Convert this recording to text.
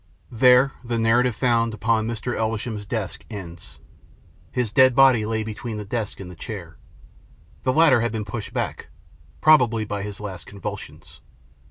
There the narrative found upon Mr. Elvesham's desk ends. His dead body lay between the desk and the chair. The latter had been pushed back, probably by his last convulsions.